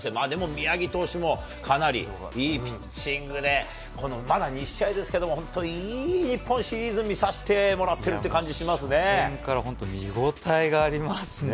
宮城投手もかなりいいピッチングでまだ２試合ですけど本当にいい日本シリーズを見させてもらってるという初戦から見ごたえがありますね。